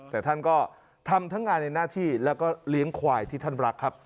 แต่ท่านก็ทำทั้งงานในหน้าที่แล้วก็เลี้ยงควายที่ท่านรักครับ